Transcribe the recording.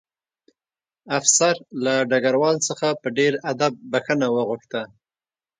افسر له ډګروال څخه په ډېر ادب بښنه وغوښته